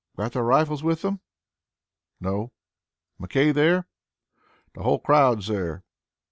"Got their rifles with them?" "No." "McKay there?" "The whole crowd's there."